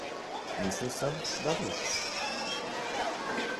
Mislil sem, da veš.